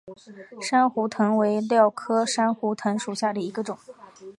珊瑚藤为蓼科珊瑚藤属下的一个种。